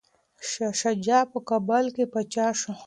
شاه شجاع په کابل کي پاچا شو.